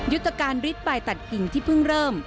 ยุทธการฤทธิ์ใบตัดกิ่งที่เพิ่งเริ่ม